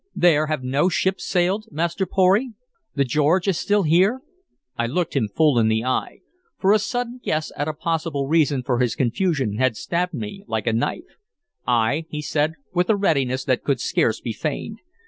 There have no ships sailed, Master Pory? The George is still here?" I looked him full in the eye, for a sudden guess at a possible reason for his confusion had stabbed me like a knife. "Ay," he said, with a readiness that could scarce be feigned.